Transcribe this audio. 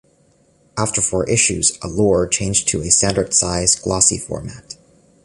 After four issues, "Allure" changed to a standard-size glossy format.